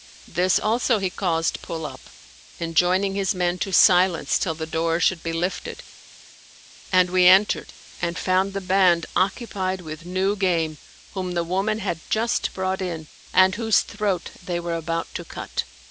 This also he caused pull up, enjoining his men to silence till the doors should be lifted, and we entered and found the band occupied with new game, whom the woman had just brought in and whose throat they were about to cut.